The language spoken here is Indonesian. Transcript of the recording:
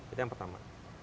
itu yang pertama